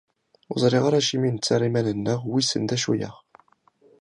Ur ẓriɣ acimi i nettarra iman-nneɣ wissen d acu-aɣ.